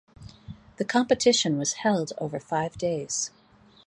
The competition was held over five days.